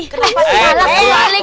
kenapa sih malah balik